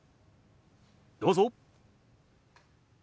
どうぞ。